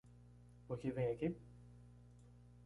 Por que vem aqui?